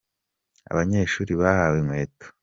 Abanyeshuri bahawe inkweto